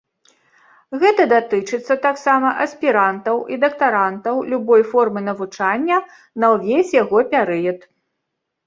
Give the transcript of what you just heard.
Гэта датычыць таксама аспірантаў і дактарантаў любой формы навучання на ўвесь яго перыяд.